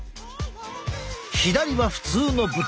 左は普通の豚。